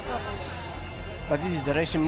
tapi ini adalah mode berlari